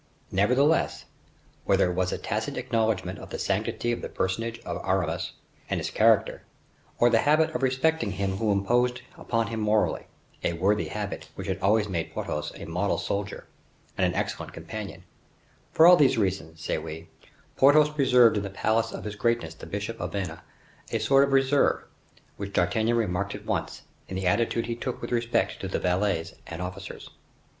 Nevertheless, whether it was a tacit acknowledgement of the sanctity of the personage of Aramis and his character, or the habit of respecting him who imposed upon him morally, a worthy habit which had always made Porthos a model soldier and an excellent companion; for all these reasons, say we, Porthos preserved in the palace of His Greatness the Bishop of Vannes a sort of reserve which D'Artagnan remarked at once, in the attitude he took with respect to the valets and officers.